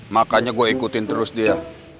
makanya gue ikutin terus dia